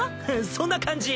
そんな感じ。